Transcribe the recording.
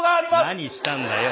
何したんだよ！